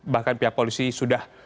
bahkan pihak polisi sudah